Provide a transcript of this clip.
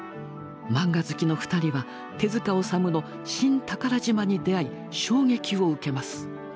漫画好きの２人は手治虫の「新寳島」に出会い衝撃を受けます。